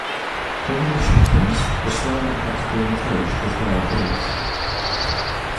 During the shootings, Ruslana had to be in a cage with wild wolves.